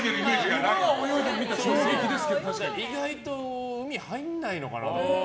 意外と海入らないのかなって。